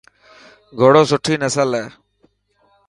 گهوڙو سٺي نسل هي.